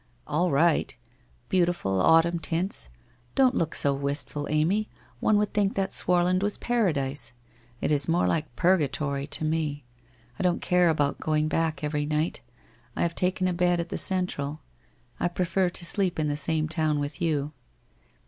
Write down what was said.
'All right! Beautiful, autumn tints. Don't look so wistful, Amy; one would think that Swarland was Paradise. It is more like Purgatory to me. I don't care about going back every night. I have taken a bed at the Central. I prefer to sleep in the same town with you.'